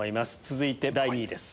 続いて第２位です。